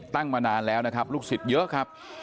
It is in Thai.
มานานแล้วนะครับลูกศิษย์เยอะครับ